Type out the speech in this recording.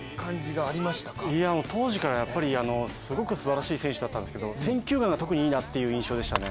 当時からすごくすばらしい選手だったんですけど選球眼が特にいいなっていう印象でしたね。